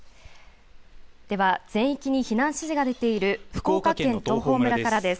では、全域に避難指示が出ている福岡県の東峰村からです。